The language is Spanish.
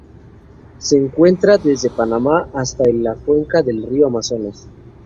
Se encuentra desde Panamá hasta la cuenca del río Amazonas.